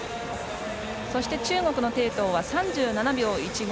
そして中国の鄭濤は３７秒１５。